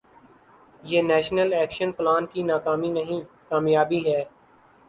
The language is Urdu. یہ نیشنل ایکشن پلان کی ناکامی نہیں، کامیابی ہے۔